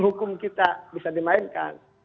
hukum kita bisa dimainkan